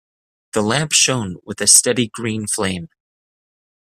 The lamp shone with a steady green flame.